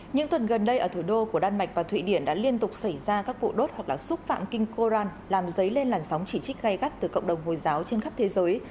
những tuần gần đây ở thủ đô của đan mạch và thụy điển đã liên tục xảy ra các vụ đốt hoặc là xúc phạm kinh koran làm dấy lên làn sóng chỉ trích gây gắt từ cộng đồng hồi giáo trên khắp thế giới